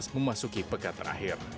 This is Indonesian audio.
memasuki peka terakhir